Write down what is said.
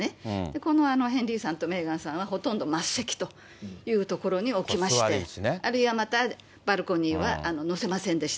このヘンリーさんとメーガンさんはほとんど末席という所に置きまして、あるいはまた、バルコニーは乗せませんでした。